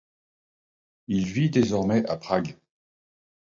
Il vit désormais à Prague.